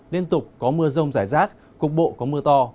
liên tục có mưa rông rải rác cục bộ có mưa to